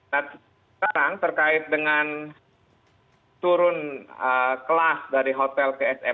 sekarang terkait dengan turun kelas dari hotel ksm